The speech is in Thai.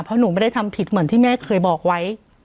เพราะหนูไม่ได้ทำผิดเหมือนที่แม่เคยบอกไว้